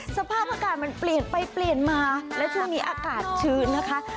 สภาพอากาศมันเปลี่ยนไปเปลี่ยนมาและช่วงนี้อากาศชื้นนะคะ